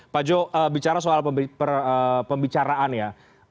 pak jo bicara soal pembicaraan ya